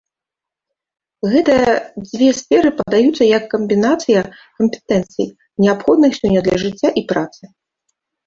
Гэтыя дзве сферы падаюцца як камбінацыя кампетэнцый, неабходных сёння для жыцця і працы.